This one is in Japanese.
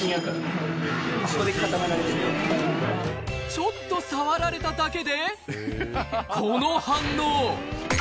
ちょっと触れただけで、この反応。